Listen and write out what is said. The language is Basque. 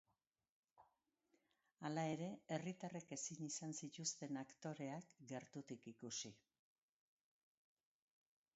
Hala ere, herritarrek ezin izan zituzten aktoreak gertutik ikusi.